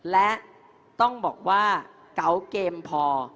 และต้องบอกว่าเก๋าเกมพอ